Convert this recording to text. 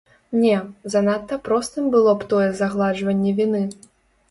Не, занадта простым было б тое загладжванне віны.